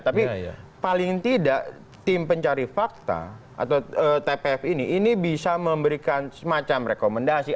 tapi paling tidak tim pencari fakta atau tpf ini ini bisa memberikan semacam rekomendasi